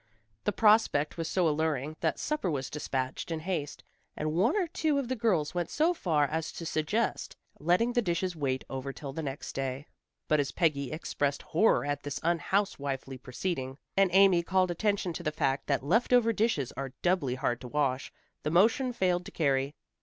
The prospect was so alluring that supper was dispatched in haste, and one or two of the girls went so far as to suggest letting the dishes wait over till the next day. But as Peggy expressed horror at this unhousewifely proceeding, and Amy called attention to the fact that left over dishes are doubly hard to wash, the motion failed to carry.